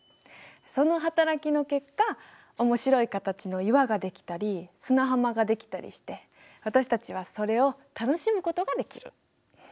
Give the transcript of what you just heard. その働きの結果面白い形の岩ができたり砂浜ができたりして私たちはそれを楽しむことができる。